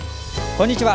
こんにちは。